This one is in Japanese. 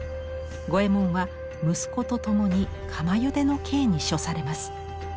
五右衛門は息子と共に釜ゆでの刑に処されます。